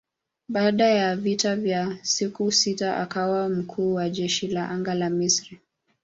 Baada ya vita ya siku sita akawa mkuu wa jeshi la anga la Misri.